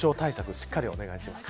しっかりお願いします。